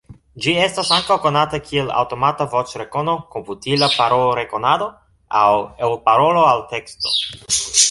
Ĝi estas ankaŭ konata kiel aŭtomata voĉrekono, komputila parolrekonado aŭ elparolo-alteksto.